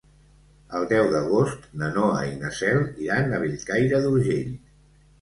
El deu d'agost na Noa i na Cel iran a Bellcaire d'Urgell.